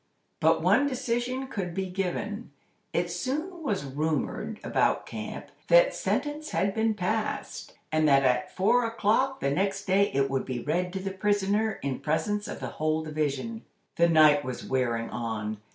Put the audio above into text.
But one decision could be given. It soon was rumored about camp that sentence had been passed, and that at four o'clock the next day it would be read to the prisoner, in presence of the whole division. The night was wearing on.